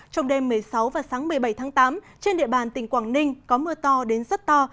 trong đêm một mươi sáu và sáng một mươi bảy tháng tám trên địa bàn tỉnh quảng ninh có mưa to đến rất to